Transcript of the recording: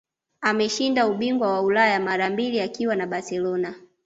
Ameshinda ubingwa wa Ulaya mara mbili akiwa na Barcelona